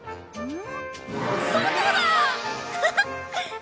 ん？